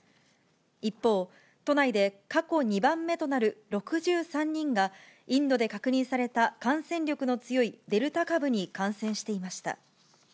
一方、都内で過去２番目となる６３人が、インドで確認された感染力の強いデルタ株に感染していました。